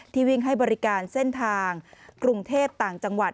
วิ่งให้บริการเส้นทางกรุงเทพต่างจังหวัด